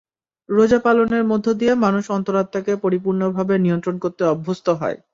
রোজা পালনের মধ্য দিয়ে মানুষ অন্তরাত্মাকে পরিপূর্ণভাবে নিয়ন্ত্রণ করতে অভ্যস্ত হয়।